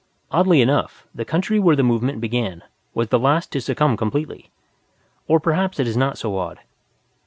Oddly enough, the country where the movement began was the last to succumb completely. Or perhaps it is not so odd.